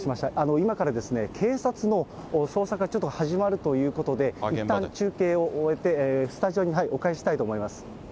今から警察の捜査がちょっと始まるということで、いったん中継を終えて、スタジオにお返ししたいと思います。